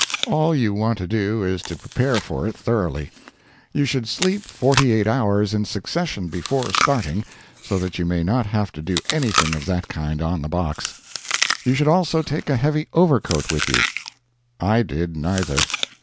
All you want to do is to prepare for it thoroughly. You should sleep forty eight hours in succession before starting so that you may not have to do anything of that kind on the box. You should also take a heavy overcoat with you. I did neither.